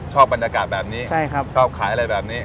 ชอบบรรยากาศแบบนี้ชอบขายอะไรแบบนี้